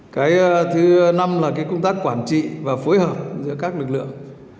cái thứ năm là cái công tác quản trị và phối hợp giữa các lực lượng